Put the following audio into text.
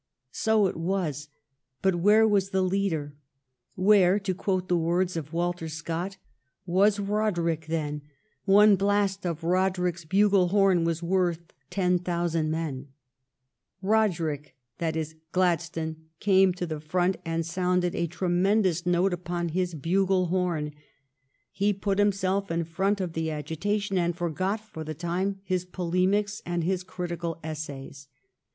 So it was, but where was the leader ? Where, to quote the words of Walter Scott, " was Roderick then — one blast of Rod erick s bugle horn were worth ten thousand men "? Roderick, that is Gladstone, came to the front and sounded a tremendous note upon his bugle horn. He put himself in front of the agitation, and forgot for the time his polemics and his criti cal essays.